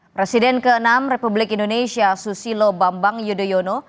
presiden ke enam republik indonesia susilo bambang yudhoyono